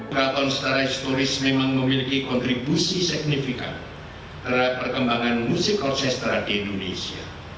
keraton setara istoris memang memiliki kontribusi signifikan terhadap perkembangan musik orkestra di indonesia